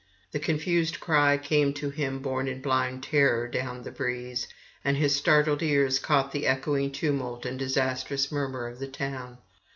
The confused cry came to him borne in blind terror down the breeze, and his startled ears caught the echoing tumult and disastrous murmur of the town.